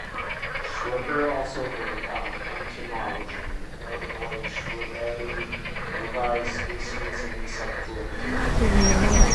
Schreber also wrote on entomology notably "Schreberi Novae Species Insectorvm".